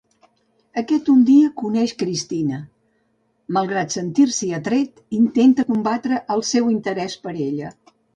Aquest un dia coneix Cristina; malgrat sentir-s'hi atret, intenta combatre el seu interès per ella.